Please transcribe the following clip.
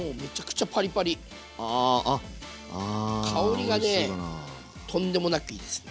香りがねとんでもなくいいですね。